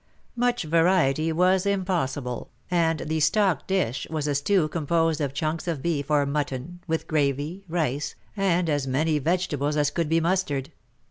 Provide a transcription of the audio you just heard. Much variety was impossible, and the stock dish was a stew composed of chunks of beef or mutton, with gravy, rice, and as many vegetables as could be mustered.